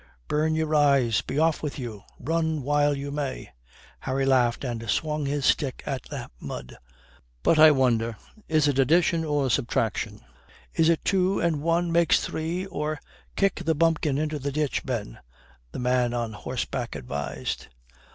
"Burn your eyes, be off with you; run while you may." Harry laughed and swung his stick at the mud. "But, I wonder, is it addition or subtraction? Is it two and one makes three, or " "Kick the bumpkin into the ditch, Ben," the man on horseback advised.